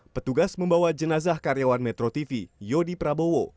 petugas membawa jenazah karyawan metro tv yodi prabowo